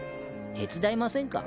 手伝いませんか？